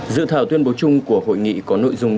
dự thảo tuyên bố chung của hội nghị có nội dung